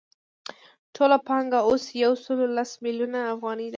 ټوله پانګه اوس یو سل لس میلیونه افغانۍ ده